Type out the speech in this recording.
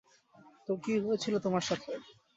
তো কি হয়েছিল তোমার সাথে?